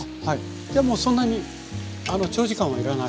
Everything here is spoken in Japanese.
じゃあもうそんなに長時間は要らない。